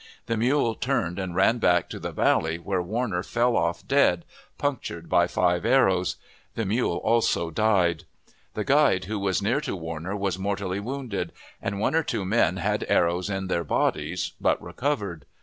The mule turned and ran back to the valley, where Warner fell off dead, punctured by five arrows. The mule also died. The guide, who was near to Warner, was mortally wounded; and one or two men had arrows in their bodies, but recovered.